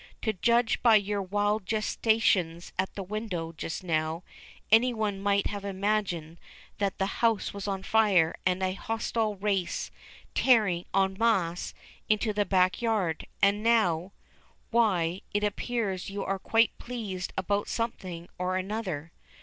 "To judge by your wild gesticulations at the window just now, any one might have imagined that the house was on fire and a hostile race tearing en masse into the back yard. And now why, it appears you are quite pleased about something or other.